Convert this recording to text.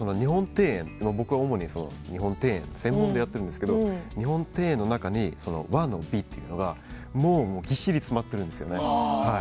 僕は主に日本庭園専門でやっているんですけれど日本庭園の中に和の美というのがぎっしり詰まっているんですね。